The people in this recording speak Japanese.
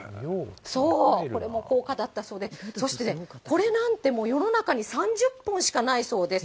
これも高価だったそうで、そしてね、これなんてもう、世の中に３０本しかないそうです。